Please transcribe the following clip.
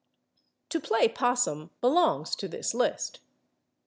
/To play possum/ belongs to this list.